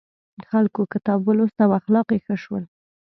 خلکو کتاب ولوست او اخلاق یې ښه شول.